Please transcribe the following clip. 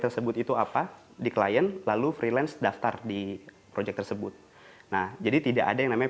tersebut itu apa di klien lalu freelance daftar di proyek tersebut nah jadi tidak ada yang namanya